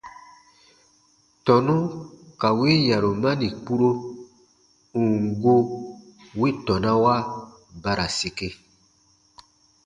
Tɔnu ka win yarumani kpuro, ù n gu, wi tɔnawa ba ra sike.